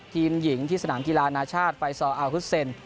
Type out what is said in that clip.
ทีมหญิงที่สนามกีฬานาชาติไฟซอร์อาวุฒุเสียน